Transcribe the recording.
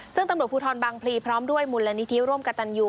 ซึ่งตำรวจภูทรบางพลีพร้อมด้วยมูลนิธิร่วมกับตันยู